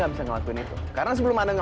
lepasin pak randy